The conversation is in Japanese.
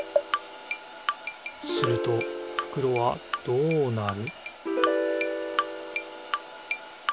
するとふくろはどうなる？